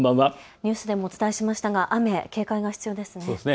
ニュースでもお伝えしましたが雨、警戒が必要ですね。